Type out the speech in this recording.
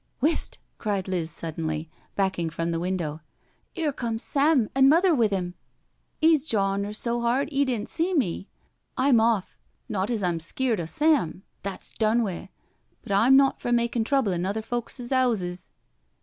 "Whist I" cried Liz suddenly, backing from the window. " 'Ere comes Sam an' Mother with 'im. '£'s jawin' 'er so 'ard 'e didn't see me. I'm off— not as I'm skeered o' Sam, that's done wi'— but I'm not for makin' trouble in other folk's heauses."